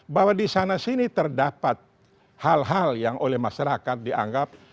bahwa di sana sini terdapat hal hal yang oleh masyarakat dianggap